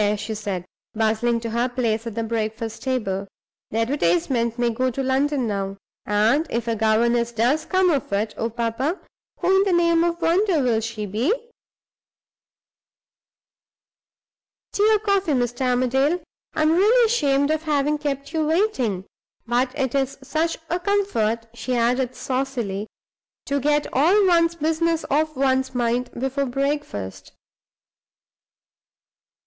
she said, bustling to her place at the breakfast table. "The advertisement may go to London now; and, if a governess does come of it, oh, papa, who in the name of wonder will she be? Tea or coffee, Mr. Armadale? I'm really ashamed of having kept you waiting. But it is such a comfort," she added, saucily, "to get all one's business off one's mind before breakfast!"